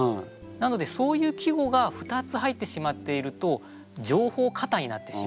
なのでそういう季語が２つ入ってしまっていると情報過多になってしまう。